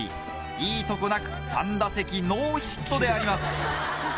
いいとこなく３打席ノーヒットであります。